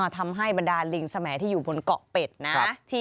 ทำให้บรรดาลิงสมัยที่อยู่บนเกาะเป็ดนะ